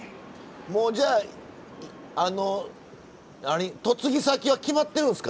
もうじゃあ嫁ぎ先は決まってるんですか？